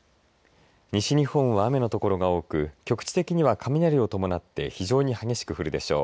西日本は雨のところが多く局地的には雷を伴って非常に激しく降るでしょう。